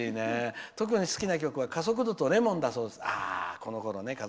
特に好きな曲は「加速度」と「檸檬」だそうです。